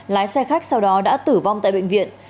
lái xe khách sau đó đã tử vong tại bệnh viện